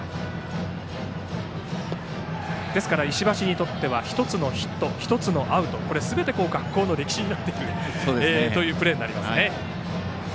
ですから石橋にとっては１つのヒット、１つのアウトすべて学校の歴史になってくるというプレーになります。